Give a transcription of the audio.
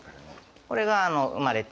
これが生まれて。